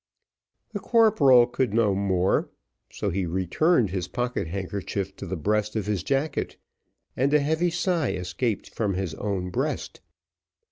The corporal could no more: so he returned his pocket handkerchief to the breast of his jacket, and a heavy sigh escaped from his own breast.